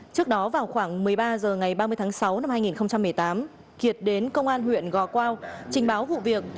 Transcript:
trước đó vào khoảng một mươi ba h ngày ba mươi tháng sáu năm hai nghìn một mươi tám kiệt đến công an huyện gò quao trình báo vụ việc